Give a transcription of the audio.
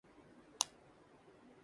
ہمارا قیادت کا بحران کیسے حل ہو گا۔